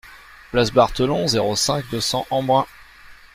Place Barthelon, zéro cinq, deux cents Embrun